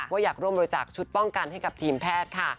ว่าอยากร่วมบริจาคชุดป้องกันให้กับทีมแพทย์ค่ะ